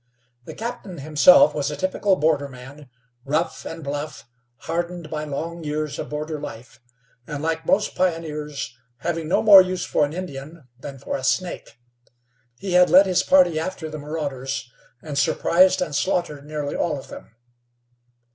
The captain himself was a typical borderman, rough and bluff, hardened by long years of border life, and, like most pioneers, having no more use for an Indian than for a snake. He had led his party after the marauders, and surprised and slaughtered nearly all of them.